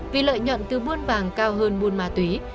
vì lợi nhuận từ buôn vàng cao hơn buôn ma túy